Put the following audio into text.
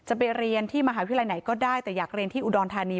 จะไปเรียนที่มหาวิทยาลัยไหนก็ได้แต่อยากเรียนที่อุดรธานี